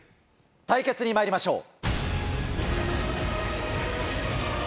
対決にまいりましょう。